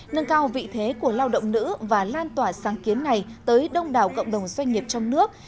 nâng cao vị thế của lao động nữ và lan tỏa sáng kiến này tới đông đảo cộng đồng doanh nghiệp trong nước